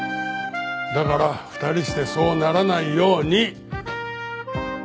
だから２人してそうならないように！